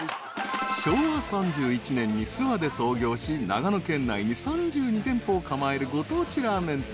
［昭和３１年に諏訪で創業し長野県内に３２店舗を構えるご当地ラーメン店］